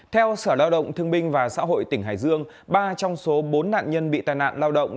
theo sở lao động thương binh và xã hội tỉnh hải dương ba trong số bốn nạn nhân bị tai nạn lao động